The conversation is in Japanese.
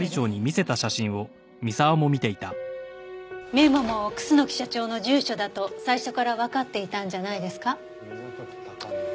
メモも楠木社長の住所だと最初からわかっていたんじゃないですか？